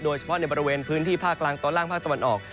โดยเฉพาะในบริเวณพื้นที่ภาคกลางตอนล่างภาคตะวันออก